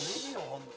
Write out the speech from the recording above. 本当。